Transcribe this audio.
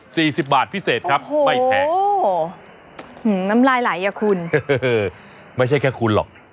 สี่สิบบาทพิเศษครับโอ้โหไม่แพ้อืมน้ำลายไหล่อ่ะคุณไม่ใช่แค่คุณหรอก